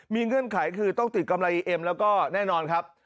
มีเงื่อนไขคือต้องติดกำไรอีเอ็มแล้วก็แน่นอนครับ